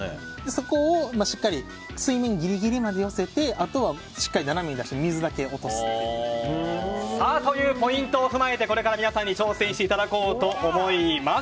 そこをしっかり水面ぎりぎりまで寄せてあとはしっかり斜めに出して水だけ落とすと。というポイントを踏まえてこれから皆さんに挑戦していただこうと思います。